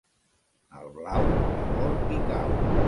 Al blau l'amor hi cau.